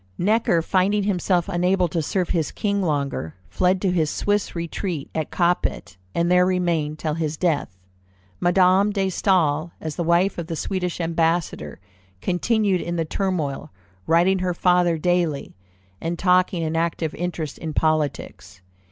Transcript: Necker finding himself unable to serve his king longer, fled to his Swiss retreat at Coppet, and there remained till his death. Madame de Staël, as the wife of the Swedish ambassador, continued in the turmoil, writing her father daily, and taking an active interest in politics.